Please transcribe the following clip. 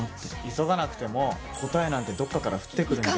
急がなくても答えなんてどっかから降ってくるものだよ。